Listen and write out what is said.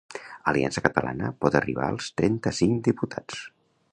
Aliança Catalana pot arribar als trenta-cinc diputats.